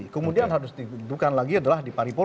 kemudian harus ditentukan lagi adalah di paripurna